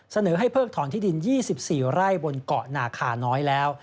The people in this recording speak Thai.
เสนอให้เพิกถอนที่ดิน๒๔ไร่บนเกาะนาคาน้อยแล้ว